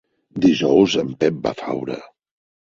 Dijous en Pep va a Faura.